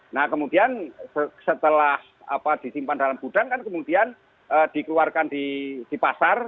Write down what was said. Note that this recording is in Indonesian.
nah kemudian setelah disimpan dalam gudang kan kemudian dikeluarkan di pasar